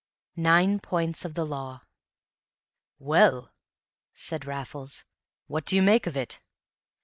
NINE POINTS OF THE LAW "Well," said Raffles, "what do you make of it?"